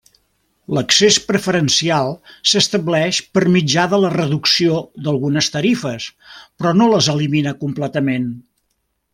L'accés preferencial s'estableix per mitjà de la reducció d'algunes tarifes, però no les elimina completament.